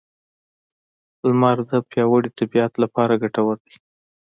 لمر د پیاوړې طبیعت لپاره ګټور دی.